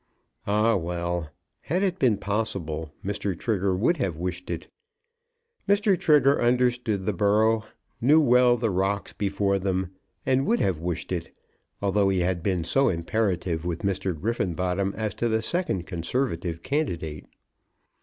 Ah, well! had it been possible, Mr. Trigger would have wished it. Mr. Trigger understood the borough, knew well the rocks before them, and would have wished it, although he had been so imperative with Mr. Griffenbottom as to the second conservative candidate.